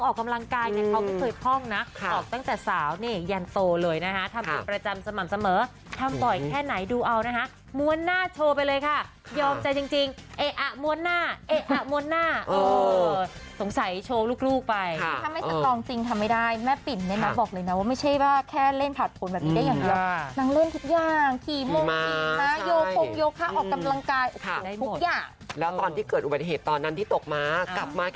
กำลังกายในเขาก็เคยพ่องนะค่ะออกตั้งแต่สาวเนี่ยยันโตเลยนะคะทำประจำสม่ำเสมอทำปล่อยแค่ไหนดูเอานะคะม้วนหน้าโชว์ไปเลยค่ะยอมใจจริงจริงเอ๊ะอ่ะม้วนหน้าเอ๊ะอ่ะม้วนหน้าเออสงสัยโชว์ลูกลูกไปค่ะถ้าไม่สักรองจริงทำไม่ได้แม่ปิดเนี่ยนะบอกเลยนะว่าไม่ใช่ว่าแค่เล่นผลัดผลแบบนี้ได้อย่